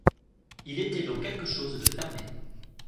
Il était dans quelque chose de fermé.